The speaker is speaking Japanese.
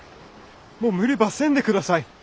もう無理ばせんで下さい！